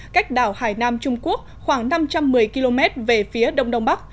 cách đảo hải nam trung quốc khoảng năm trăm một mươi km về phía đông đông bắc